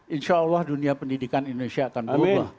insya allah dunia pendidikan indonesia akan berubah